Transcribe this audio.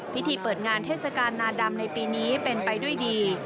พิธีเปิดงานเทศกาลนาดำในปีนี้เป็นไปด้วยดี